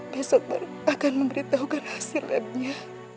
besok baru akan memberitahukan hasilnya